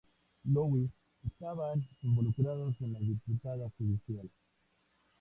Louis estaban involucrados en la disputa judicial.